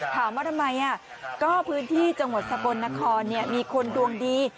ถามว่าทำไมก็พื้นที่จังหวัดสกลนครมีคนดวงดี